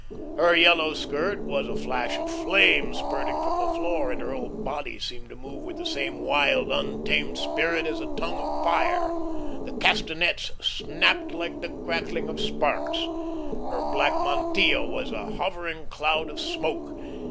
Her yellow skirt was a flash of flame spurting from the floor, and her whole body seemed to move with the same wild, untamed spirit as a tongue of fire. The castanets snapped like the crackling of sparks; her black mantilla was a hovering cloud of smoke.